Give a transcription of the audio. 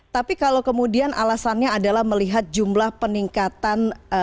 tapi kalau kemudian alasannya adalah melihat jumlah peningkatan